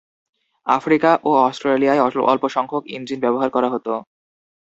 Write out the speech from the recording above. Africa ও অস্ট্রেলিয়ায় অল্পসংখ্যক ইঞ্জিন ব্যবহার করা হতো।